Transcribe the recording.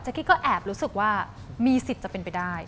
กี้ก็แอบรู้สึกว่ามีสิทธิ์จะเป็นไปได้